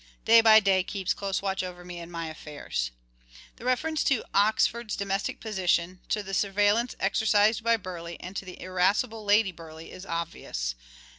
(Day by day keeps a close watch over me and my affairs). The reference to Oxford's domestic position, to the surveillance exercised by Burleigh, and to the irascible Lady Burleigh is obvious.